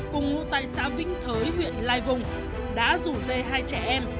cùng ngũ tài xã vĩnh thới huyện lai vùng đã rủ dê hai trẻ em